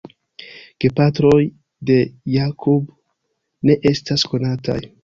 Gepatroj de Jakub ne estas konataj.